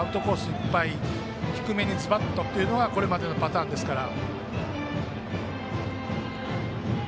いっぱい低めにズバッとというのがこれまでのパターンですから。